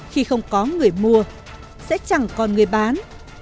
khi không có người mua sẽ chẳng còn người bán